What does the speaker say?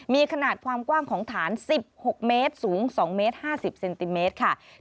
มีขนาดความกว้างของฐาน๑๖เมตรสูง๒เมตร๕๐เซนติเมตรค่ะ